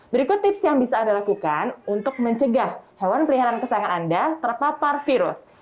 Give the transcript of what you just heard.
berikut tips yang bisa anda lakukan untuk mencegah hewan peliharaan kesayangan anda terpapar virus